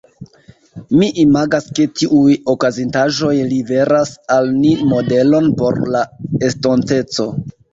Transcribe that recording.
Mi imagas ke tiuj okazintaĵoj liveras al ni modelon por la estonteco.